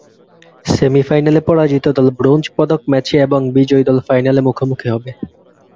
সেমি-ফাইনালে পরাজিত দল ব্রোঞ্জ পদক ম্যাচে এবং বিজয়ী দল ফাইনালে মুখোমুখি হবে।